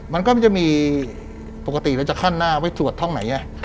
มันก็จะมีปกติเราจะขั้นหน้าไว้ตรวจท่องไหน